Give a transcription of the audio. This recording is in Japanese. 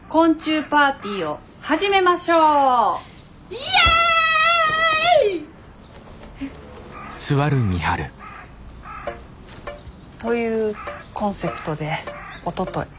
イエイ！え？というコンセプトでおととい